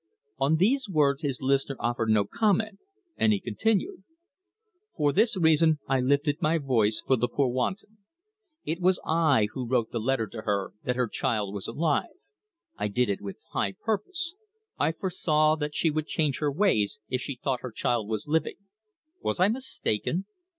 On these words his listener offered no comment, and he continued: "For this reason I lifted my voice for the poor wanton. It was I who wrote the letter to her that her child was alive. I did it with high purpose I foresaw that she would change her ways if she thought her child was living. Was I mistaken?